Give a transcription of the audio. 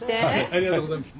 ありがとうございます。